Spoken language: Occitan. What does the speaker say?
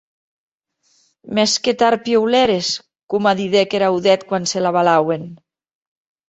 Mès que tard piulères, coma didec er audèth quan se l’avalauen.